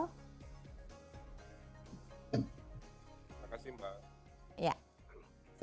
terima kasih mbak